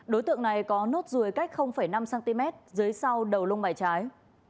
đối tượng này có nốt ruồi cách năm cm dưới sau đầu lông bài trái